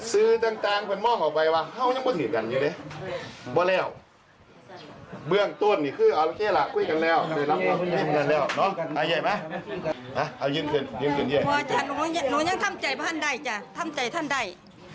หาเอายืนเสร็จให้หนูยังทำใจบ้างด้ายจ้ะทำใจท่านใด